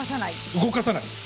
動かさない。